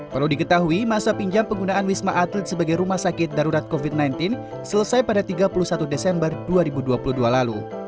perlu diketahui masa pinjam penggunaan wisma atlet sebagai rumah sakit darurat covid sembilan belas selesai pada tiga puluh satu desember dua ribu dua puluh dua lalu